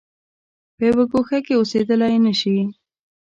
په یوه ګوښه کې اوسېدلای نه شي.